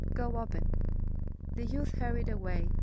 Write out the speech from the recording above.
"Go open." The youth hurried away.